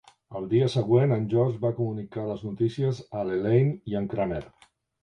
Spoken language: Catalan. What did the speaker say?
Al dia següent, en George va comunicar les notícies a l'Elaine i en Kramer.